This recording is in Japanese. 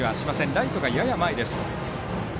ライトがやや前です。